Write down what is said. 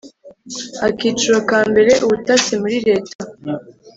Akiciro ka mbere Ubutasi muri leta